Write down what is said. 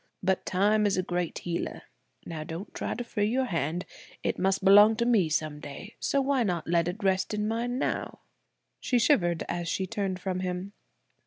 But time is a great healer. Now don't try to free your hand. It must belong to me some day, so why not let it rest in mine now?" She shivered as she turned from him.